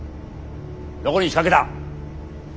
どこに仕掛けた？